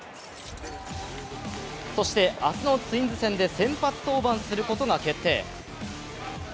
そして明日のツインズ戦で先発登板することが決定。